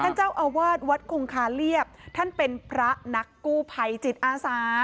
ท่านเจ้าอาวาสวัดคงคาเลียบท่านเป็นพระนักกู้ภัยจิตอาสา